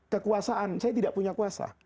kekuasaan saya tidak punya kuasa